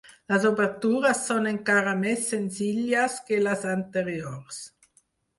Les obertures són encara més senzilles que les anteriors.